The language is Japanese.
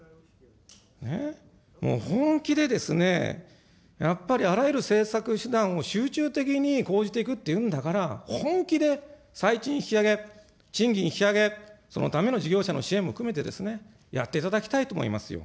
もう本気でですね、やっぱりあらゆる政策手段を集中的に講じていくっていうんだから、本気で最賃引き上げ、賃金引き上げ、そのための事業者の支援も含めて、やっていただきたいと思いますよ。